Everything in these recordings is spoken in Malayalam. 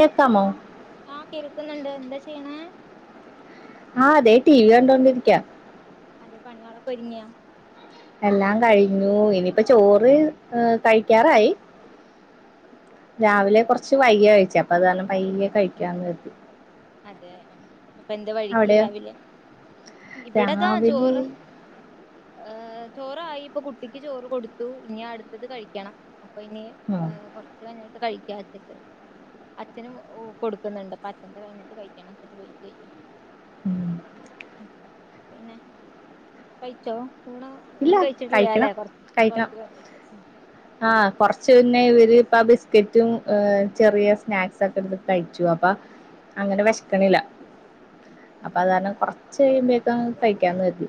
കേക്കാമോ ആഹ് ആഹ് കേ കേൾക്കുന്നുണ്ട് എന്താ ചെയ്യ്ണെ ആഹ് അതെ ടി വി കണ്ടോണ്ടിരിക്ക്യ അതെ പണ്യേ ളൊക്കെ ഒരുങ്ങ്യൊ എല്ലാം കഴിഞ്ഞ് ഇന്നിപ്പ ചോറ് ഏഹ് കഴിക്ക്യാറായി ഉം ഉം രാവിലെ കൊറ്ച്ച് വൈക്യ കഴിച്ചെ അപ്പൊ അതാണ് പയ്യെ കഴിക്കാന്ന് കരുതി അതെ അഹ് അപ്പ എന്താ വൈകി അവിടെയോ രാവിലെ ഇ ബിടതാ രാവിലെ ചോറ് ഏഹ് ചോറായി ഇപ്പൊ കുട്ടിക്ക് ചോറ് കൊട്ത്തു ഇഞ്ഞി അടുത്തത് കഴിക്കണം അപ്പൊ ഇനി ഉം, കൊറച്ച് കഴിഞ്ഞിട്ട് കഴിക്കാ വെച്ചിട്ട് അച്ഛനും ഒഹ് കൊടുക്കുന്ന്ണ്ട് അപ്പൊ അച്ഛന്റെ കഴിഞ്ഞിട്ട് കഴിക്കണം വെച്ചിട്ട് വൈറ്റെ യ്യും ഉം. ഉം പിന്നെ കഴിച്ചോ ഊണ് ഊണ് ഇല്ല കഴിച്ചിട്ടില്ല അല്ലെ കഴിക്കണം കൊറ കഴിക്കണം കൊറച്ച് കഴിഞ്ഞിട്ട് ഉം ആഹ് കൊറച്ച് മുന്നെ ഇത് പ്പാ ബിസ്ക്കെറ്റും ഹ് ചെറിയ സ്നാക്സൊക്കെ എടുത്ത് കഴിച്ചു അപ്പ അങ്ങനെ വെശ്ക്ക്ണില്ല ഉം അപ്പൊ അതാരണം കൊറ ചെയ്യുന്നേ നാൻ തയ്യ്ക്കാൻ മതി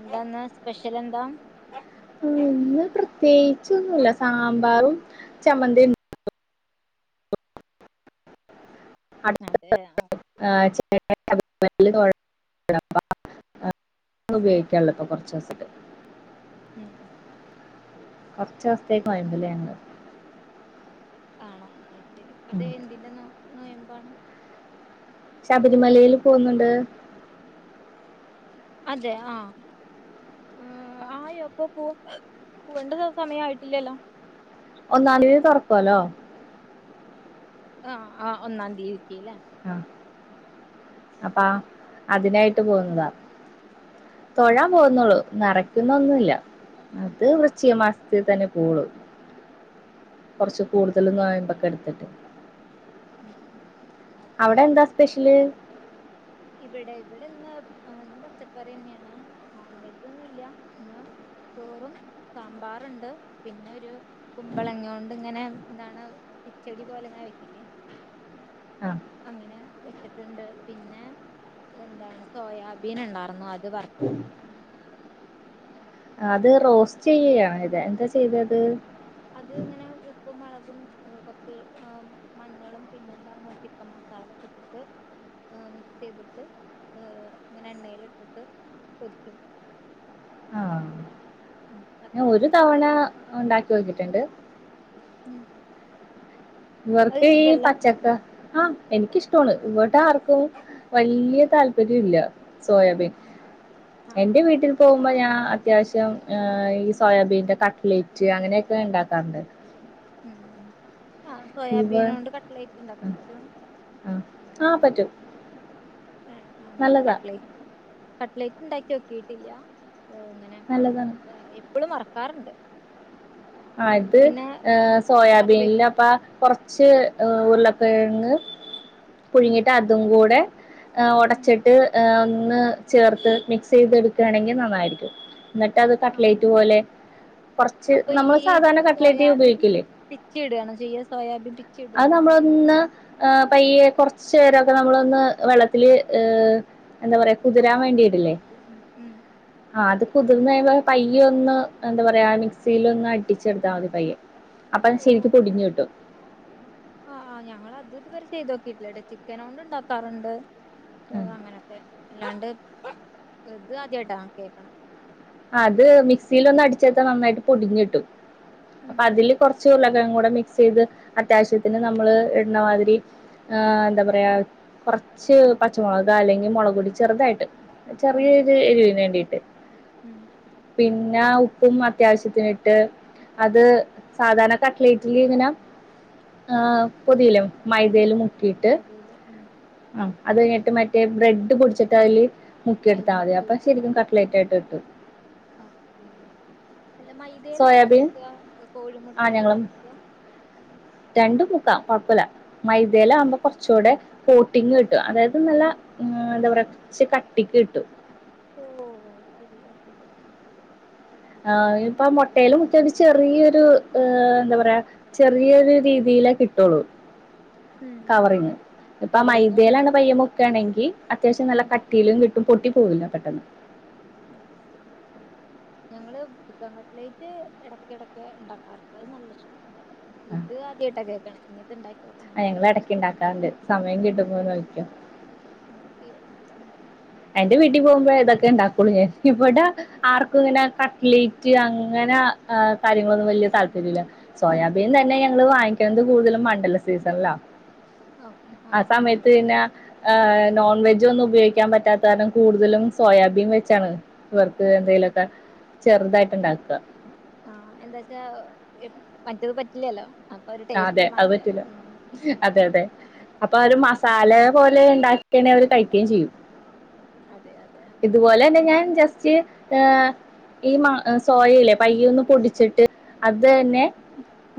എന്താന്ന സ്പെഷ്യൽ എന്താ ഇന്ന് പ്രത്യേകിച്ചൊന്നുല്ല സാമ്പാറും ചമ്മന്തി ഉ അടുത്ത അതെ ആ ആഴ്ച [unintelligible] ഉപയോഗിക്കുള്ള [unintelligible] ഇപ്പൊ കൊറ്ച്ചോ സൊക്കെ ഉം അഹ് ച്ചോസ്ത്തേക്ക് മഴണ്ട്ലേ ഇന്ന് കാണാം അ [unintelligible] ത ഉം. അതെ എന്തിന്റെന്നൊ നോയമ്പ് പണം ശബരിമലേല് പോഉന്ന്ണ്ട് അതെ ആഹ് ഉം ആയോ അപ്പൊ പോ പോവേണ്ടത് സമയയിട്ടില്ലല്ലോ ഒന്നാം തീയതി തുറക്കോലോ ആഹ് ആഹ് ഒന്നാം തീയതി ഇല അപ്പ അതിനായി പോകുന്നതാ തൊഴാൻ പൊന്നെ ഉള്ളു നിറയ്ക്കുന്നൊന്നുല്ല അത് വൃച്ഛികമാസത്തി തന്നെ പോളു ഉം കുറച്ച് കൂടുതലും [unintelligible] തൊക്കെ എടുത്തിട്ട് ഉം ഓ- അവിടെ എന്താ സ്പെഷ്യല് ഇവിടെ ഇവിടെ ഇന്ന് ഇന്ന് പച്ചക്കറി തന്നെയാണ് നോൺ വെജ് ഒന്നും ഇല്ല പിന്ന ചോറും സാമ്പാറുണ്ട് പിന്നെ ഒരു കുമ്പളങ്ങ കൊണ്ട് ഇങ്ങനെ എന്താണ് ഇച്ചടി പോലെങ്ങനെ വെക്കില്ലേ ആ അങ്ങനെ വെച്ചിട്ടുണ്ട് പിന്നെ എന്താണ് സോയാബീൻ ഉണ്ടായിരുന്നു അത് വറു അത് റോസ്റ്റ് ചെയ്യുകയാണ് ഇത എന്താ ചെയ്തത് അത് ഇങ്ങനെ [unintelligible] ഉപ്പും മുളകും കുറച്ച് മഞ്ഞളും പിന്നെന്താന്ന ചിപ്പ മസാല ഒക്കെ ഇട്ടിട്ട് മിക്സ് ചെയ്തിട്ട് ഏയ് ഇങ്ങനെ എണ്ണൽ ഇട്ടിട്ട് പൊരിക്കും ആ ഞാൻ ഒരു തവണ ഉണ്ടാക് [unintelligible] കിട്ടുണ്ട് ഉം അത് ഇവർക്ക് ഈ ഇഷ്ടല്ല പച്ചക്ക ആഹ് എനിക്കിഷ്ടമാണ് ഇവിടെ ആർക്കും വലിയ താല്പര്യം ഇല്ല സോയാബീൻ ആ ആ എന്റെ ആ ആ. വീട്ടിൽ പോവുമ്പോ ഞാ അ ത്യാവശ്യം അ് ഈ സോയാബീന്റെ കട്ട്ലൈറ്റ് അങ്ങനെക്കെ ഉണ്ടാക്കാറ്ണ്ട്. ഉം ആഹ് സോയാബീനൊണ്ട് കട്ട്‌ലൈറ്റ്ണ്ടാക്കാൻ ആഹ് പറ്റോ? ആഹ് ആഹ് പറ്റും ഹ ങ്ങളും നല്ലതാ ക്കട്ട്ല കട്ട്ലേറ്റ് ഉണ്ടാക്കി നോക്കിയിട്ടില്ല നല്ലത കാർണ്ട് ആ ഇത് കറി സോയാബീനില് വെക്കും അപ്പ കുറച്ച് ശേ ഉരുളൻ കിഴങ്ങ് ഉം പുഴുങ്ങിട്ട് അതും കൂടെ ഉം ഉടച്ചിട്ട് ഹെ ഒന്ന് ചേർത്ത് മിക്സി എടുക്കയാണെങ്കിൽ നന്നായിരിക്കും എന്നിട്ട് അത് ആ കട്ട് ലൈറ്റ് പോലെ കുറച്ച് അപ്പൊ നമ്മൾ ഈ സോയാബിൻ പിച്ചി ഇടുകാണ് ചെയ്യ സോയാബിൻ പിച്ചി ഇടുകയാണ് ചെയ അ പയ്യെ കുറച്ചു [unintelligible] നമ്മളൊന്ന് വെള്ളത്തിൽ എന്താ പറയാ കുതിരാൻ വേണ്ടി ഉ ഉം കുതിർന്ന പയ്യ ഒന്ന് എന്താ പറയാ മിക്സിൽ ഒന്ന് അ ടിച്ചെടുതാ മതി പയ അപ്പത് ശക്ക് പൊടിഞ്ഞു കിട്ടു ആഹ് ആഹ് ഞങ്ങള് അത് ഇതുവരെ ചെയ്തോക്കിട്ടില്ല ചിക്കന കൊണ്ട് ഉണ്ടാക്കാറുണ്ട് അങ്ങനെയൊക്കെ അല്ലാണ്ട് എത് ആദ്യായിട്ടാ കേൾക്കണ അത് മിക്സിൽ ഒന്ന് അടിച്ചേത്താ നന്നായിട്ട് പൊടിഞ്ഞ കിട്ടും ഉം അപ്പൊ അതില് കൊറച്ച് ചുരുളക്കഴങ് കൂടെ മിക്സ് ചെയ്ത് അത്യാവശ്യത്തിന് നമ്മൾ ഇടണമാതിരി എന്താ പറയുക കുറച്ച് പച്ചമുളക് അല്ലെങ്കിൽ മുളക് പോടി ചെറുതായിട്ട് ഉം ചെറിയൊരു എരിവിന് വേണ്ടി എ ഉം പിന്നെ ഉപ്പും അത്യാവശ്യത്തിന് ഇട്ട് അത് സാധാരണ കട്ലേറ്റിൽ ഇങ്ങനെ പൊതിയല മൈദയിലും മൈദയില് ഉം അത് കഴിഞ്ഞിട്ട് മറ്റേ ബ്രെഡ് കുടിച്ചിട്ട് അയില് അയില് മുക്കിയെടുത്താ മതി അപ്പ ശരിക്കും കട്ലൈറ്റ് ആട്ട് ഓക്കെ അല്ല മൈദയിലാണോ സോയാബീൻ മുക്ക ആഹ് കോഴിമുട്ടൽ ഞങ്ങള് അല്ലേ മുക്ക പഴപ്പില്ല മൈദയില ആവുമ്പ കുറ് ചൂടെ ബോട്ടിങ്ങ് കിട്ടും അതായത് നല്ല ഉം എന്താ പറയാ ച്ച് കട്ടിക്ക് കിട്ടു ഓ ശരിയാ ആ ഇപ്പൊ മുട്ടയിലും മുക്കിയ ഒരു ചെ ചെറിയൊരു എന്താ പറയാ ചെറിയൊരു രീതിയിലേ കിട്ടുള്ളൂ ഉം കവറിങ് ഇപ്പ കവറിങ് അത് മൈദ്യയിലാണ് പയ്യ മുക്കാണെങ്കിൽ ങ്കി അത്യാവശ്യ നല്ല ഉം കട്ടിയിലും കിട് ട്ടും പൊട്ടി പോവില്ല പെട്ടെന്ന് ഞങ്ങള് ചിക്കൻ കട്ലേറ്റ് ഇടക്ക ഇടക്ക് ഉണ്ടാക്കാറ അത് നല്ല ഇഷ്ട ഇത് ആദ്യമായിട്ടാ കേക്കണ ഇനി ത് ണ്ട ആ ഞങ്ങള് ഇടയ്ക്ക് ഉണ്ടാക്കാറുണ്ട് സമയം കിട്ടുമ്പോന്ന് നോക്കിക്കോ ഓക്കെ ഒ എന്റെ വീട്ടിൽ പോകുമ്പോ ഇതൊക്കെ ഇണ്ടാക്കുള്ളൂ ഞാൻ ഇവിടെ ആർക്കും ഇങ്ങനെ കട്ലേറ്റ് അങ്ങനെ കാര്യങ്ങളൊന്നും വലിയ താല്പര്യല്ല സോയാബീൻ തന്നെ ഞങ്ങള് വാങ്ങിക്കുന്നത് കൂടുതലും മണ്ഡല സീസണല്ലാ ഓ ആ ആ അസമത്ത് ഇന്ന ശരി. ആഹ് നോൺ വെജ് ഒന്നും ഉപയോഗിക്കാൻ പറ്റാത്ത കാരണം കൂടുതലും സോയാബീൻ വെച്ചാണ് ഇവർക്ക് എന്തെലുമൊക്കെ ചെറുതായിട്ട് ഉണ്ടാക്കുക ആ എന്താച്ചാ മറ്റത് പറ്റില്ലല്ലോ അപ്പൊ ഒരു അതെ ടേസ്റ്റ് അത് മാറ്റ പറ്റില്ല അതെ അതെ അപ്പൊ അവര് മസാല പോലെ ഉണ്ടാക്കിണ അവര് കഴിക്കുകയും ചെയ്യും അതെ അതെ ഇതുപോലെ തന്നെ ബ- ഞാൻ ന- ജസ്റ്റ് ഏഹ് ഈ മ സോയല്ലേ പയ്യ ഒന്ന് പൊടിച്ചിട്ട് അത് തന്നെ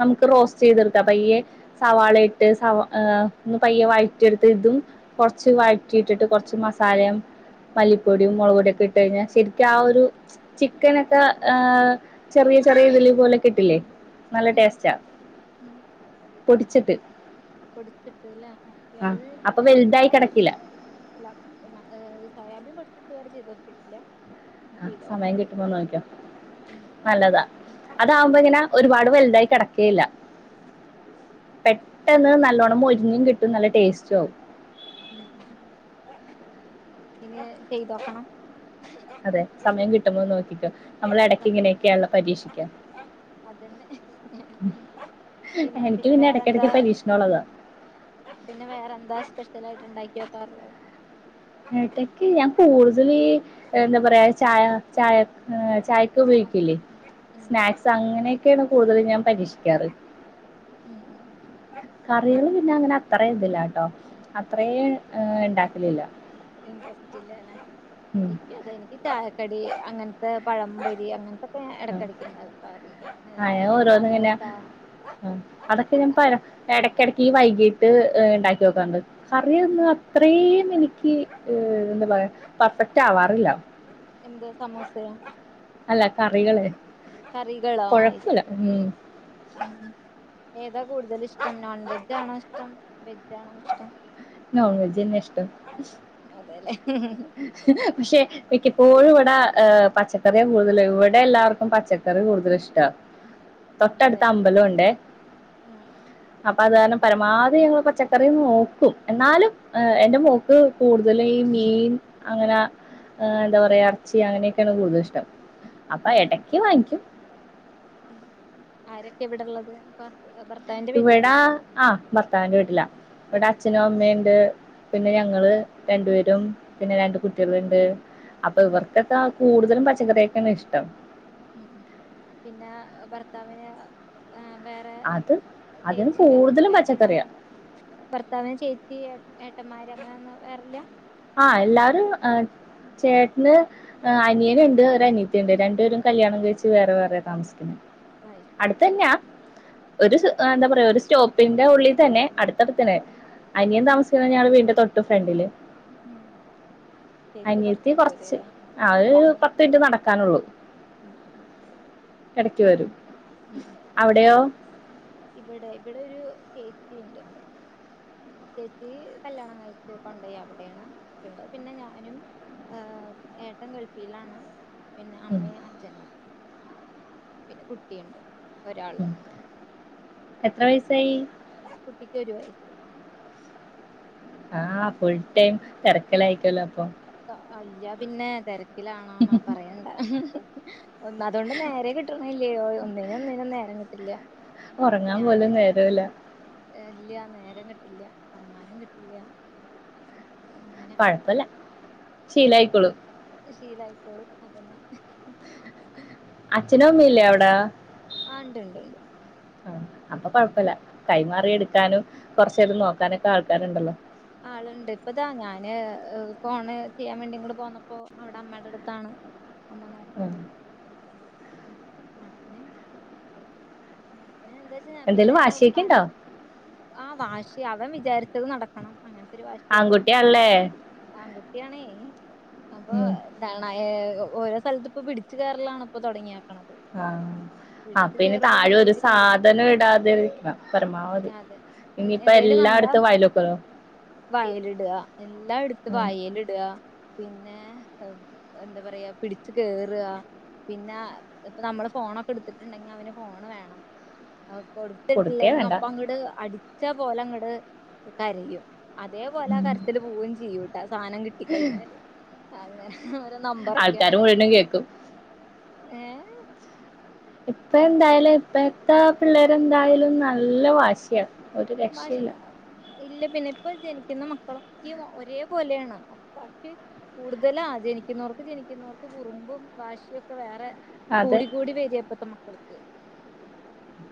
നമുക്ക് റോസ്റ്റ് ചെയ്തെടുക്കാം പയ്യെ സവാളയിട്ട് സവാ ഏ ഒന്ന് പയ്യെ വഴറ്റിയെടുത്ത് ഇതും കൊറച്ച് വഴറ്റിയിട്ടിട്ട് കുറച്ച് മസാലയും മല്ലിപ്പൊടിയും മുളക് പൊടിയൊക്കെ ഇട്ട് കഴിഞ്ഞാൽ ശരിക്കും ആ ഒരു ചിക്കനൊക്കെ ആ ചെറിയ ചെറിയ ഇതില് പോലെ കിട്ടില്ലേ നല്ല ഉം ടേസ്റ്റാ ഉം പൊടിച്ചിട്ട് പൊടിച്ചിട്ട്ല്ലേ ഓക്കെ അത് ആഹ് അപ്പൊ ഞങ്ങള് വലുതായി ചിക്കൻ കിടക്കില്ല പൊടിച്ചിട്ട് അല്ല ഈ സോയാബൻ പൊ ഇതുവരെ ചെയ്തോക്കിയിട്ടില്ല ആ സമയം കിട്ടുമ്പോ നോക്കിയോ ഉം നല്ലതാ അതാവുമ്പോ ഇങ്ങനെ ഒരുപാട് വലുതായി കിടക്കേല്ല പെട്ടെന്ന് നല്ലോണം മൊരിഞ്ഞും കിട്ടും നല്ല ടെസ്റ്റും ആവും ഉം ഇനി ചെയ്തോക്കണം അതെ സമയം കിട്ടുമോന്ന് നോക്കി അതന്നെ പിന്നെ എനിക്ക് പിന്നെ വേറെന്താ ഇടയ്ക്കിടയ്ക്ക് പരീക്ഷണമുള്ളതാ പിന്നെ വേറെന്താ സ്പെഷ്യൽ ആയിട്ട് ഉണ്ടാക്കിയോ പറല എടക്ക് ഞാൻ കൂടതലി എന്താ പറയാ ചായ ചായ ഏഹ് ചായക്ക് സ്നാക്സ് ഉപയോഗിക്കില്ലേ ഉം ഉം സ്നാക്സ് അങ്ങനെ കേണ് കൂടുതൽ ഞാൻ പരീക്ഷിക്കാറ് ഉം ഉം ഞാൻ അങ്ങനെ അത്ര ഇതില്ലാട്ടോ അത്ര ഇണ്ടാക്കലില്ല [unintelligible] നിക്കയതാ എനിക്ക് ചായക്കടി അങ്ങത്തെ പഴം പൊരി അങ്ങന ആ ആ ഏഹ് പിന്നെ ഓരോന്ന ഇങ്ങനെ സമൂസ അതൊക്കെ ഞാൻ അതൊ പയം ഇടക്കടക്ക് വൈകിട്ട് ഇണ്ടാക്കി നോക്കാറുണ്ട് കറി ഒന്ന് ഉം. അത്ര എനിക്ക് ഏ എന്താ പറയാ പെർഫെക്റ്റ് ആവാറില്ല എന്ത് സമൂസയാ? അല്ല കറികളേ കറികളോ കൊഴപ്പുല്ല അയ്ശരി ഉം ഉം ഉം. ഏതാ കൂടുതലിഷ്ടം? നോൺ വെജ്ജാണോ ഇഷ്ടം വെജ്ജാണോ ഇഷ്ടം? നോൺ വെജ്ജെന്നെ ഇഷ് അതേല്ലേ പക്ഷെ [unintelligible] ഇപ്പോഴും ഇവിടാ ആഹ് പച്ചക്കറിയാ കൂടുതല് ഇവിടെ എല്ലാർക്കും പച്ചക്കറി കൂടുതലിഷ്ടം. അതെ തൊട്ടടുത്ത് അമ്പലം ഉണ്ടെ ആഹ് അ അത് കാരണം പരമാവധി ഞങ്ങള് പച്ചക്കറി നോക്കും എന്നാലും ഏഹ് എന്റെ മോക്ക് കൂടുതലും ഈ മീൻ അങ്ങന ഏഹ് എന്താ പറയാ ഇറച്ചി അങ്ങനെയൊക്കെയാണ് കൂടുതലിഷ്ടം. അപ്പ ഇടക്ക് വാങ്ങിക്കും. ആരൊക്കെയ ഇവിടെള്ളത് ഇപ്പ? ഇവിടാ ആ ഭർത്താവിന്റെ വീട്ടിലാ ഇവിടെ ഉം അച്ഛനും അമ്മേം എണ്ട്. പിന്നെ ഞങ്ങള് രണ്ടു പേരും പിന്നെ രണ്ട് കുട്ടികളെണ്ട്. അപ്പ ഉം ഇവർക്കെക്ക കൂടുതലും പച്ചക്കറിയൊക്കെയാണ് ഇഷ്ടം. പിന്നാ ഭർത്താവിന് ഏഹ് വേറെ അത് അതിന് ചേച്ചിയ കൂടുതലും പച്ചക്കറിയാ ഏട്ടനങ്ങനെ ഭർത്താവിന് ചേച്ചി ഏ ഏട്ടന്മാര് വോറെല്ല ആ എല്ലാരും ചേട്ടന് അനിയനുണ്ട് ഒരു അനിയത്തിയുണ്ട് രണ്ടുപേരും കല്യാണം കഴിച്ച് വേറെ വേറെ താമസികുന്നെ അത് ശരി അടുത്തന്നാ ഒരു ഉം എന്താ പറയാ ഒരു സ്റ്റോപ്പിന്റെ ഉള്ളിൽ തന്നെ അടുത്തടുത്തിന് അനിയും ഉം താമിക്കുന്ന ഞഗ് വീടിന്റെ തൊ ഫ്രണ്ടില് ഉം ചേച്ചി അനിയത്തി കൊറച്ച് കുറച്ച് ദൂരെല്ലേ ആ ഒരു അല്ല പത്ത് അനിയത്തി മിനിറ്റ് നടക്കാനുള്ളൂ ഉം ഉം ഇടക്ക് വരും ഉം അവിടെയോ ഇവിടെ ഇവിടൊരു ചേച്ചി ഉണ്ട് ചേച്ചി കല്യാണം കഴിച്ച് കൊണ്ടയ അവിടെയാണ്ള്ളത് പിന്നെ ഞാനും ഏഏട്ടൻ ഗൾഫിലാണ് പിന്നെ ഉം. അമ്മയും അച്ഛനും പിന്നെ കുട്ടിയുണ്ട് ഉം ഒരാളുണ്ട് എത്ര വയസായി കുട്ടിക്ക് ഒരു വയസ്‌ ആ ഫുൾ ടൈം തെരക്കില്ലയിക്കല്ലോ അപ്പൊ ആ, അല്ല പിന്നെ തെര ക്കിലാണോന്നോ പറയണ്ട [unintelligible] ഒന്നാതുകൊണ്ട് നേരം കിട്ടണല്യോ ഒന്നിനും ഒന്നിനും നേരം കിട്ടില്ല്യ ഉറങ്ങാൻ ഞാന് പോലും നേരമില്ല ഇല്ല നേരം കിട്ടില്ല്യ ഒറങ്ങാനും കിട്ടില്ല്യ കൊ ഴപ്പല്ല ശീലായിക്കൊളു ശീലായികൊ ളും അതന്നെ അച്ഛനു അമ്മില്ലേ പിന്നെ അവടെ ആ ഉണ്ട് ഉണ്ട് ഉണ്ട് ആ അപ്പൊ കൊഴപ്പില്ല കൈമാറി എടുക്കാനും കൊറച്ചേരം നോക്കാനൊക്കെ ആൾക്കാരുണ്ടല്ലോ ആളുണ്ട് ഇപ്പതാ ഞാന് ഫോണ് ചെയ്യാൻ വേണ്ടി ഇങ്ങോട്ട പോന്നപ്പോ അവിടെ അമ്മേടടുത്താണ് അമ്മ ഉം. നോക്കണ്ട് അങ്ങനെ ഉം പിന്നെ എന്താച്ച പിന്നെ എന്തേലും ഞങ്ങക്ക് വാശിയൊക്കെ പണി ഉണ്ടോ ആ വാശി അവൻ വിചാരിച്ചത് നടക്കണം അങ്ങനെ ഒത്തിരി വാശിയാണ് ആൺകുട്ടിയാണല്ലേ ആൺകുട്ടിയാണേ അപ്പൊ ഉം. താണായെ ഒ ഓരോ സ്ഥലത്ത് ഇപ്പൊ പിടിച്ചു കേയറാലാണ് ഇപ്പത്തൊടങ്ങിയ ആ അപ്പൊ ഇനി താഴെ ഒരു വീഴും സാധനം ഇടാതെരിക്കണം പരമാവധി അതെ ഉം ഇനിയിപ്പ എന്തേലും കണ്ടാ എല്ലായിടത്തും വയലോക്കോലോ വയലിടുക എല്ലാം എടുത്ത് ഉം വയലിടുക പിന്നെ എന്താ പറയാ പിടി ച്ച് കേറാ പിന്ന ഇപ്പ നമ്മള് ഫോണൊക്കെ എടുത്തിട്ടുണ്ടെങ്കി അവന് ഫോണ് വേണം അ കൊടുത്തിട്ടില്ല കൊടുക്കേ ങ്ങ വേണ്ട അപ്പാ അങ്ങട് അടി ച്ച പോലങ്ങട് കരയും അതേപോലെ ആ കരച്ചില് പൂവേം ചെയ്യൂട്ടാ സാധനം കിട്ടിക്കഴിഞ്ഞാല് അങ്ങനെ ഓരോ ആൾക്കാരും [unintelligible] കേക്കും ഏ ഇപ്പ എന്തായാലും ഇപ്പഴത്തെ പിള്ളേരെ എന്തായാലും നല്ല വാശിയാണ് ഭാഷ ഇല്ല പിന്നെ ഇപ്പൊ ജനിക്കുന്ന മക്കളോ ഈ ഒരേ പോലെണ് പ [unintelligible] കൂടുതലാ ജനിക്കുന്നോർക്ക് ജനിക്കുന്നോർക്ക് കുറുമ്പും വാശ്യൊക്കെ വേറെ അതെ കൂടികൂടി വെരാ ഇപ്പത്തെ മ ക്കൾക്ക്.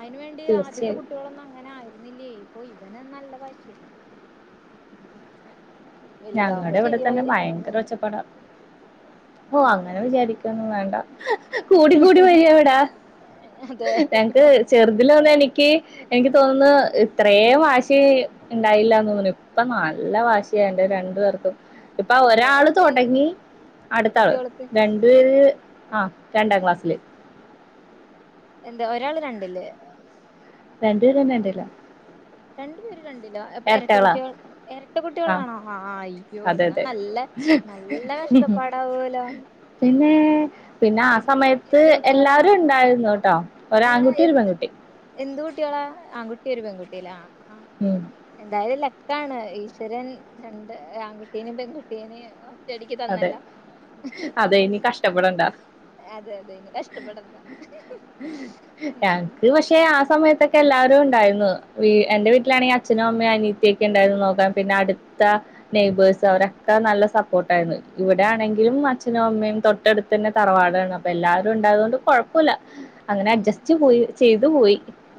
അയ്ന് വേണ്ടി ആദ്യത്തെ തീർച്ചയായും കുട്ട്യൊളൊന്നും അങ്ങനെ ആ യിരുന്നില്ലേ അപ്പൊ ഇവനും നല്ല വാശ്യാ അങ്ങനെ വലുതാവുമ്പോ ഞങ്ങടെ ഇവടെ തന്നെ ശരിയായി ഭയങ്കര ഒച്ചപ്പട ഓ അങ്ങനെ വിചാരിക്കും തൊന്നും വേണ്ട കൂടി കൂടി വെരാ വടെ അതെ ഞൻക്ക് ചെർതിലാവുമ്പോ എനിക്ക് എനിക്ക് തോന്നുന്നു ഇത്രേ വാശി ഇണ്ടായില്ലന്ന് തോന്ന്ണ് ഇപ്പ നല്ല വാശ്യാണ്. രണ്ടു പേർക്കും ഇപ്പൊ അതെ ഒരാള് എത്രയായി തൊടങ്ങി അടുത്ത ആള് കുട്ടികൾക്ക് രണ്ടുപേര് ആഹ് രണ്ടാം ക്ലാസ്സില് എന്താ ഒരാള് രണ്ടില് രണ്ട്പേരും രണ്ടിലാ രണ്ട്പേര് രണ്ടിലോ അപ്പൊ എരട്ട കുട്ട്യേൾ എരട്ട ആ കുട്ട്യേളാണോ ആഹ് അയ്യോ അതെ എന്നാ അതെ നല്ല നല്ല കഷ്ടപ്പാടാവോലോ പിന്നെ പിന്നെ ആ എഹ് സമയത്ത് എട്ട് കുട്ട്യേള എല്ലാരും ഉണ്ടായിരുന്നു ട്ടോ അല്ലടാ ഒരാൺകുട്ടി ഒരു എത് പെൺകുട്ടി എന്ത് കുട്ട്യേളെ ആൺുട്ടി പെങ്കുട്ടി എല [inaudible] ആഹ് ഉം എന്തായാലും ല ട്ടാണ് ഈശ്വരൻ രണ്ട് ആൺകുട്ടിനിം പെൺകുട്ടിനിം ചെടിക്ക് അതെ തന്നല്ലൊ അതെ ഇനി കഷ്ടപ്പെടണ്ട അതെ അതെ ഇനി കഷ്ടപ്പെടണ്ട ഉം ആയിന്നു എന്റെ ഓക്കെ. വീട്ടിലാണെൽ അച്ഛനും അമ അമ്മെ അനിയത്ത്യക്കെ ഇണ്ടായുള്ളൂ [unintelligible] പിന്നെ അടുത്ത നെയ്ബേഴ്സ് അവരെക്കെ നല്ല സപ്പോർട്ട് ണ്ടായിന്ന്. ഇവിടെ ആണെങ്കിലും [unintelligible] അമ്മയും തൊട്ടടു തന്നെ തറവാടാണ് അപ്പൊ എല്ലാരും ഇണ്ടായോണ്ട് കൊഴപ്പൊല്ല അങ്ങനെ ഉം അഡ്ജസ്റ്റ് പോയി ചെയ്തു പോയി.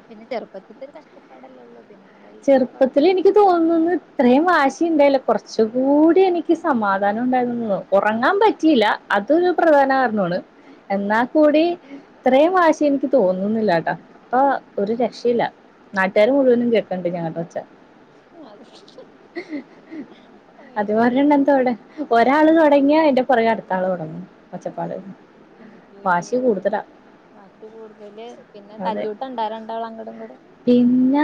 പിന്നെ ചെറുപ്പത്തി ഇത്തിരി കഷ്ടപ്പാടല്ലേ ഉള്ളൂ പിന്നെ ഒന്ന് വലുതായ ചെറുപ്പത്തില് കുഴപ്പം എനിക്ക് തോന്നുന്നു ഇത്രേം വാശി ഉണ്ടായില്ല കൊറച്ചും [unintelligible] എനിക്ക് സമാധാനം ഉണ്ടായിരുന്നു ഒറങ്ങാൻ പറ്റീല അതൊരു പ്രധാന കാരണോണ് എന്നാക്കൂടി ഇത്രേം വാശിയെനിക്ക് തോന്നുന്നില്ലാട്ടാ ഇപ്പ ഒരു രക്ഷയില്ല നാട്ട്കാര് മുഴുവനും കേ കണ്ട് ഞാൻ ഒച്ച ഉം, അത് അത് പറഞ്ഞണ്ടെന്താ ഓടെ ഒരാള് തൊട് ടങ്ങ്യാ അയിന്റെ പൊറകേ അടുത്താള് തൊടങ്ങും അയ്യയ്യോ കൂടുതലാ വാശി കൂടുതല് പിന്നെ അതെ തല്ലൂട്ടണ്ടാ രണ്ടാളങ്ങടുങ്ങ്ടും? പിന്നെ